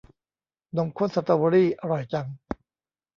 นมข้นสตอเบอร์รี่ อร่อยจัง